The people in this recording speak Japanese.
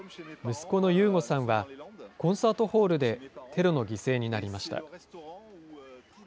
息子のユーゴさんは、コンサートホールでテロの犠牲になりました。